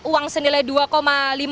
uang senilai dua lima